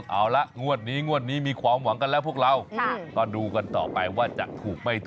เอาละงวดนี้งวดนี้มีความหวังกันแล้วพวกเราก็ดูกันต่อไปว่าจะถูกไม่ถูก